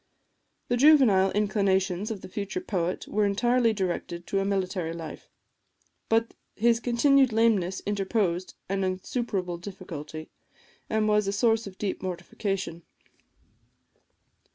The juvenile inclinations of the future poet were entirely directed to a military life; but his continued lameness interposed an insuperable difficulty, and was a source of deep mortification.